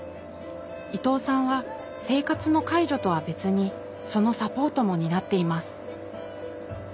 伊藤さんは生活の介助とは別にそのサポートも担っています。